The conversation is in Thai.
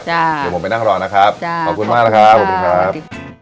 เดี๋ยวผมไปนั่งรอนะครับขอบคุณมากล่ะครับ